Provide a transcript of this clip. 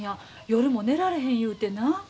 夜も寝られへん言うてな。